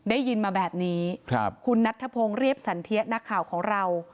ได้ยินมาแบบนี้คุณนัทธพงศ์เรียบสันเทียนักข่าวของเรา